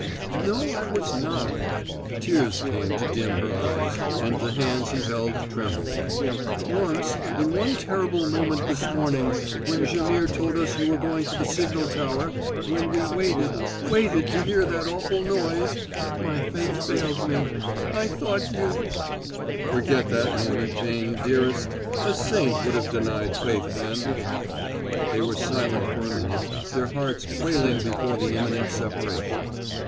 "No, I was not." Tears came to dim her eyes, and the hands he held trembled. "Once in one terrible moment this morning when Jaimihr told us you were going to the signal tower when we waited waited to hear that awful noise, my faith failed me. I thought you " "Forget that moment, Jane, dearest. A saint would have denied faith then." They were silent for a minute, their hearts quailing before the imminent separation.